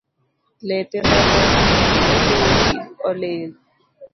Lepe mane oluoki olil